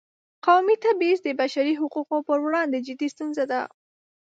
قومي تبعیض د بشري حقونو پر وړاندې جدي ستونزه ده.